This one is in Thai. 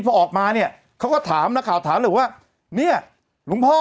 พอออกมาเนี่ยเขาก็ถามนักข่าวถามเลยว่าเนี่ยหลวงพ่อ